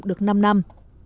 được năm năm